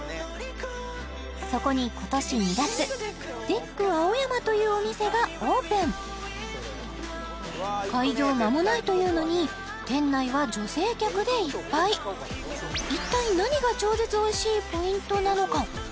そこに今年２月ＤＥＫ青山というお店がオープン開業間もないというのに店内は女性客でいっぱい一体何が超絶おいしいポイントなのか？